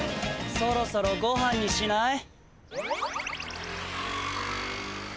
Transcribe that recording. ・そろそろごはんにしない？